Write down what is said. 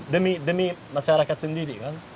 demi masyarakat sendiri kan